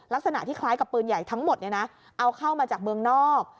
ลักษณะที่คล้ายกับปืนใหญ่ทั้งหมดเอาเข้ามาจากเมืองนอก